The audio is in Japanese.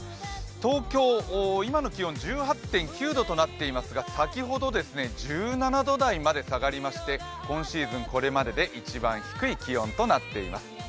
東京、今の気温１８．９度となっていますが先ほど１７度台まで下がりまして今シーズンこれまでで一番低い気温となっています。